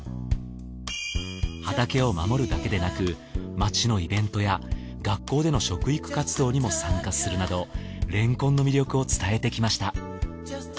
畑を守るだけでなく町のイベントや学校での食育活動にも参加するなどれんこんの魅力を伝えてきました